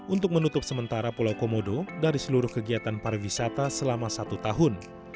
untuk menutup sementara pulau komodo dari seluruh kegiatan pariwisata selama satu tahun